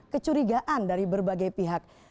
kecurigaan dari berbagai pihak